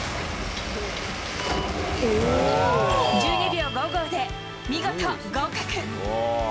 １２秒５５で見事合格。